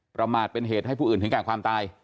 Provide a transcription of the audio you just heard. ประมาทเป็นเหตุให้ผู้อื่นถึงแก่ความตาย